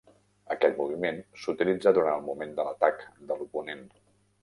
Aquest moviment s"utilitza durant el moment de l"atac de l"oponent.